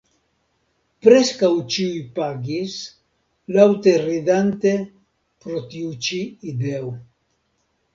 Preskaŭ ĉiuj pagis, laŭte ridante pro tiu ĉi ideo.